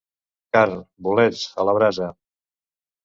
Carn, bolets, a la brasa.